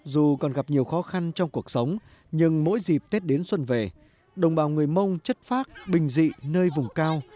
dù còn gặp nhiều khó khăn trong cuộc sống nhưng mỗi dịp tết đến xuân về đồng bào người mông chất phác bình dị nơi vùng cao